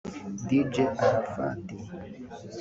Dj Arafat